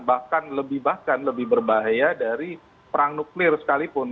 bahkan lebih bahkan lebih berbahaya dari perang nuklir sekalipun